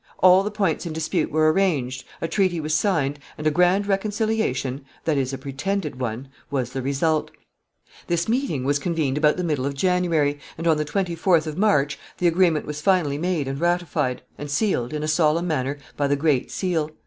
All the points in dispute were arranged, a treaty was signed, and a grand reconciliation that is, a pretended one was the result. [Sidenote: The treaty.] This meeting was convened about the middle of January, and on the twenty fourth of March the agreement was finally made and ratified, and sealed, in a solemn manner, by the great seal.